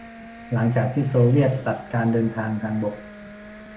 หลังจากที่โซเวียตตัดการเดินทางทางบก